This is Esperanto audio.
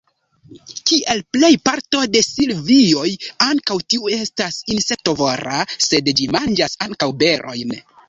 Kiel plej parto de silvioj, ankaŭ tiu estas insektovora, sed ĝi manĝas ankaŭ berojn.